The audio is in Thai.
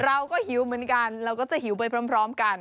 เราก็หิวเหมือนกันเราก็จะหิวไปพร้อมกัน